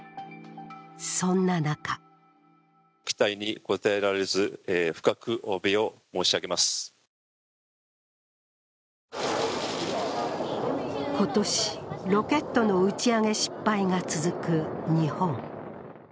そんな中今年、ロケットの打ち上げ失敗が続く日本。